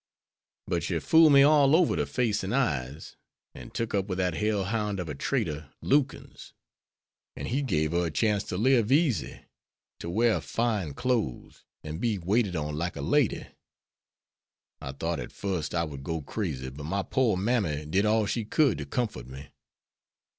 But she fooled me all over the face and eyes, and took up with that hell hound of a trader, Lukens; an' he gave her a chance to live easy, to wear fine clothes, an' be waited on like a lady. I thought at first I would go crazy, but my poor mammy did all she could to comfort me.